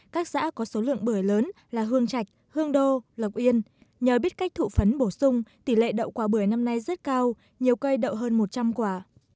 các xã có số lượng bưởi lớn là hương trạch hương đô lộc yên nhờ biết cách thụ phấn bổ sung tỷ lệ đậu quả bưởi năm nay rất cao nhiều cây đậu hơn một trăm linh quả